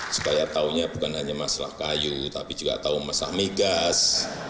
supaya tahunya bukan hanya masalah kayu tapi juga tahu masalah migas